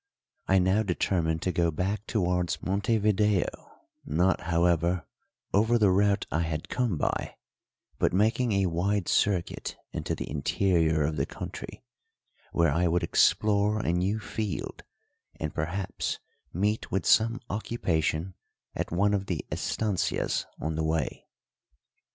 I now determined to go back towards Montevideo, not, however, over the route I had come by, but making a wide circuit into the interior of the country, where I would explore a new field, and perhaps meet with some occupation at one of the estancias on the way.